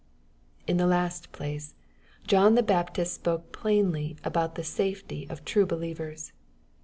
In the last place, John the Baptist spoke plainly about the safety of true believers.